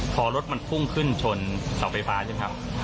พอรถมันพุ่งขึ้นชนเสาไฟฟ้าใช่ไหมครับ